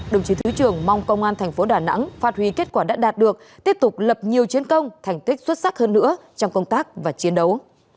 đồng chí thứ trưởng mong công an thành phố đà nẵng phát huy kết quả đã đạt được tiếp tục lập nhiều chiến công thành tích xuất sắc hơn nữa trong công tác và chiến đấu